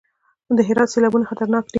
د هرات سیلابونه خطرناک دي